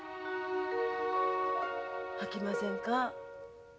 あきませんか？